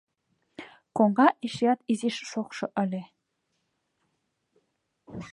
Коҥга эшеат изиш шокшо ыле.